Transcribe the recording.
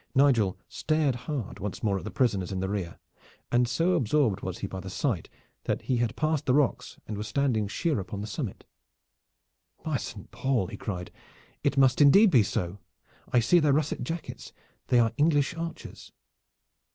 Nigel stared hard once more at the prisoners in the rear, and so absorbed was he by the sight that he had passed the rocks and was standing sheer upon the summit. "By Saint Paul!" he cried, "it must indeed be so. I see their russet jackets. They are English archers!"